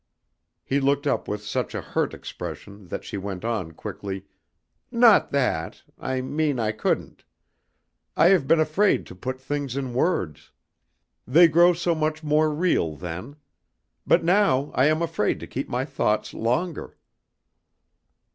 He looked up with such a hurt expression that she went on quickly, "Not that; I mean I couldn't. I have been afraid to put things in words. They grow so much more real then. But now I am afraid to keep my thoughts longer."